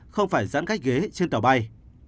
không phải giãn cách ghế trên tàu bay